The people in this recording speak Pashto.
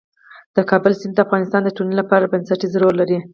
د کابل سیند د افغانستان د ټولنې لپاره بنسټيز رول لري.